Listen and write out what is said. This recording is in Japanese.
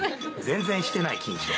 全然してない緊張。